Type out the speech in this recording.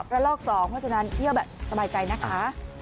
ละลอก๒เพราะฉะนั้นเที่ยวแบบสบายใจนะคะ